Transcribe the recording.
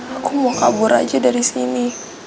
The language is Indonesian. aku mau kabur aja dari sini